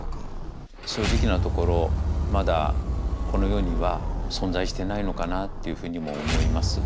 正直なところまだこの世には存在してないのかなっていうふうにも思います。